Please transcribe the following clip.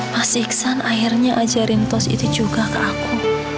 pas iksan akhirnya ajarin tos itu juga ke aku